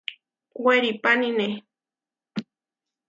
Weripánine.